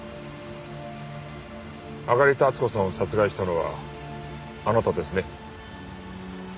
揚田温子さんを殺害したのはあなたですね？